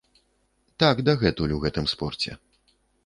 Так дагэтуль у гэтым спорце.